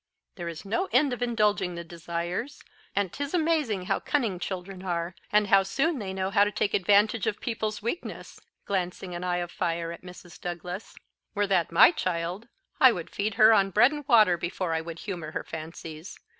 There is no end of indulging the desires, and 'tis amazing how cunning children are, and how soon they know how to take advantage of people's weakness," glancing an eye of fire at Mrs. Douglas. "Were that my child, I would feed her on bread and water before I would humour her fancies.